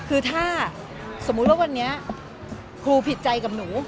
คือถ้าสมมุติว่าวันนี้ครูผิดใจกับหนู